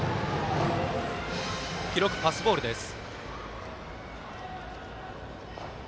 記録、パスボールです。